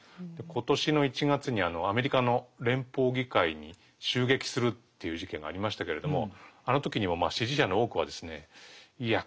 今年の１月にアメリカの連邦議会に襲撃するっていう事件がありましたけれどもあの時にもまあ支持者の多くはですねいや